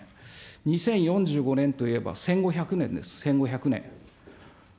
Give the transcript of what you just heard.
２０４５年といえば戦後１００年です、戦後１００年。